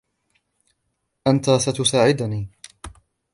أنت ستساعديني!